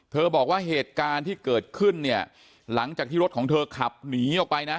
บอกว่าเหตุการณ์ที่เกิดขึ้นเนี่ยหลังจากที่รถของเธอขับหนีออกไปนะ